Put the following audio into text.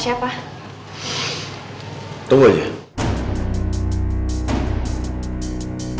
itu pun tertentu aja